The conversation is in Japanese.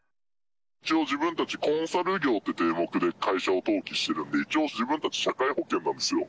一応、自分たち、コンサル業という名目で、会社を登記してるんで、一応、自分たち、社会保険なんですよ。